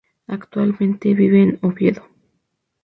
Actualmente vive en Oviedo.